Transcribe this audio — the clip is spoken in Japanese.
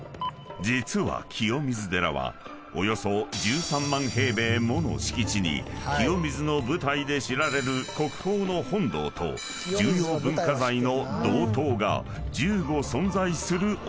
［実は清水寺はおよそ１３万平米もの敷地に清水の舞台で知られる国宝の本堂と重要文化財の堂塔が１５存在するお寺］